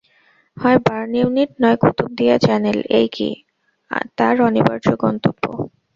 হয় burn unit, নয় Kutubdia channel এই কী তার অনিবার্য গন্তব্য?